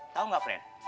tau gak pren